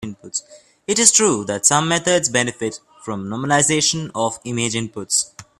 It is true that some methods benefit from normalization of image inputs.